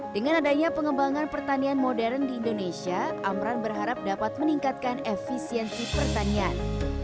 dengan adanya pengembangan pertanian modern di indonesia amran berharap dapat meningkatkan efisiensi pertanian